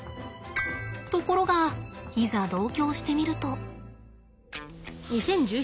ところがいざ同居をしてみると。